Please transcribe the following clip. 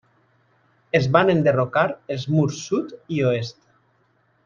Es van enderrocar els murs sud i oest.